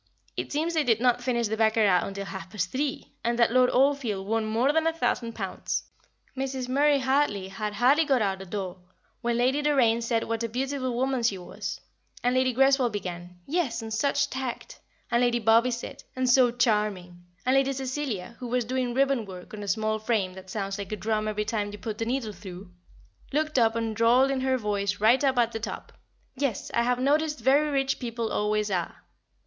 It seems they did not finish the baccarat until half past three, and that Lord Oldfield won more than a thousand pounds. Mrs. Murray Hartley had hardly got out of the door, when Lady Doraine said what a beautiful woman she was, and Lady Greswold began "yes and such tact," and Lady Bobby said, "and so charming," and Lady Cecilia who was doing ribbon work on a small frame that sounds like a drum every time you put the needle through looked up and drawled in her voice right up at the top, "Yes, I have noticed very rich people always are."